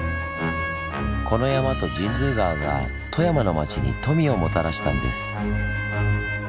この山と神通川が富山の町に富をもたらしたんです。